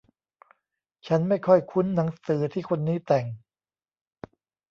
ฉันไม่ค่อยคุ้นหนังสือที่คนนี้แต่ง